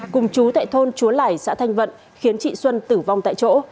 cùng chú tại thôn chúa lẻi xã thanh vận khiến chị xuân tử vong tại chỗ